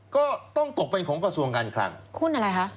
ก็ต้องตกเป็นของกระทรวงการคลังหุ้นอะไรคะ